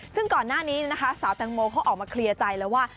ซึ่งก่อนหน้านี้นะคะสาวแตงโมเขาออกมาเคลียร์ใจแล้วว่า